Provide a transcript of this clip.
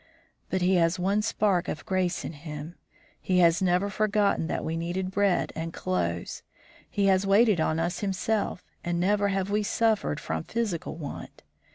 But he has one spark of grace in him. He has never forgotten that we needed bread and clothes. He has waited on us himself, and never have we suffered from physical want.